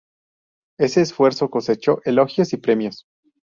Ese esfuerzo cosechó elogios y premios.